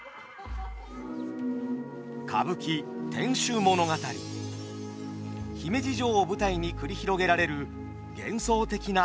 歌舞伎姫路城を舞台に繰り広げられる幻想的な美の世界。